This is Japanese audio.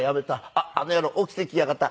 あっあの野郎起きてきやがった。